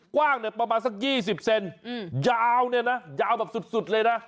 กว้างเนี่ยประมาณสัก๒๐เซนยาวเนี่ยนะยาวแบบสุดเลยนะ